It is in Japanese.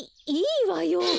いいいわよ。